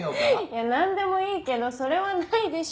いやなんでもいいけどそれはないでしょって。